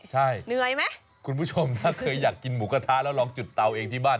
ใช่เหนื่อยไหมคุณผู้ชมถ้าเคยอยากกินหมูกระทะแล้วลองจุดเตาเองที่บ้าน